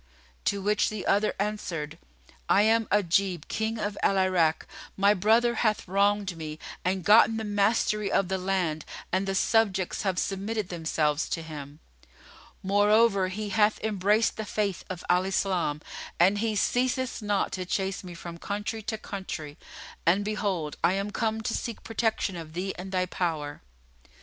to which the other answered, "I am Ajib King of Al Irak; my brother hath wronged me and gotten the mastery of the land and the subjects have submitted themselves to him. Moreover, he hath embraced the faith of Al Islam and he ceaseth not to chase me from country to country; and behold, I am come to seek protection of thee and thy power."